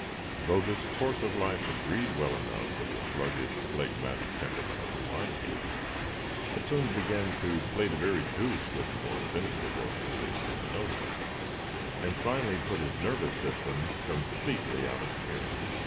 Though this course of life agreed well enough with the sluggish, phlegmatic temperament of the wine dealer, it soon began to play the very deuce with the more sensitive organization of the notary, and finally put his nervous system completely out of tune.